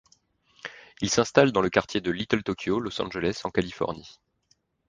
Il s'installe dans le quartier de Little Tokyo, Los Angeles en Californie.